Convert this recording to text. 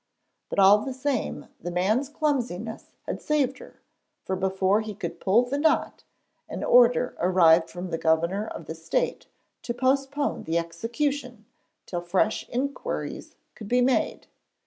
But all the same, the man's clumsiness had saved her, for before he could pull the knot, an order arrived from the Governor of the State to postpone the execution till fresh inquiries could be made.